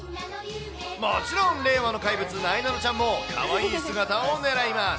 もちろん、令和の怪物、なえなのちゃんも、かわいい姿をねらいます。